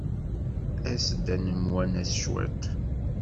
As-d ad nemwanas cwiṭ.